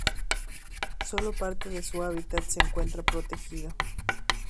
Solo parte de su hábitat se encuentra protegido.